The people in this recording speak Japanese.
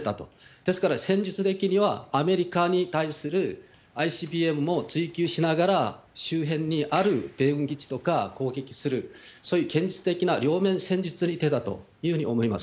ですから、戦術的にはアメリカに対するＩＣＢＭも追求しながら、周辺にある米軍基地とかを攻撃する、そういう現実的な両面戦術に出たというふうに思います。